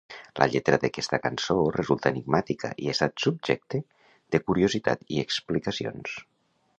La lletra d'aquesta cançó resulta enigmàtica i ha estat subjecte de curiositat i explicacions.